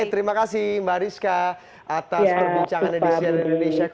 oke terima kasih mbak rizka atas perbincangan indonesia